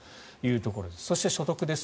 そして、所得です。